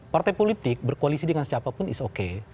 partai politik berkoalisi dengan siapapun is okay